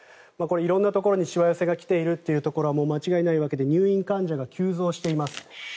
色んなところにしわ寄せがきているというのは間違いないわけで入院患者が急増しています。